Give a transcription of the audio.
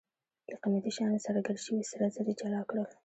له قیمتي شیانو سره ګډ شوي سره زر یې جلا کړل.